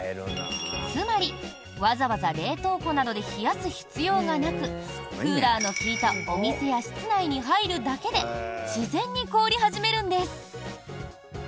つまり、わざわざ冷凍庫などで冷やす必要がなくクーラーの利いたお店や室内に入るだけで自然に凍り始めるんです。